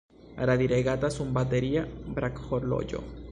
Radiregata sunbateria brakhorloĝo.